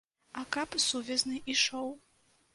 А каб сувязны ішоў?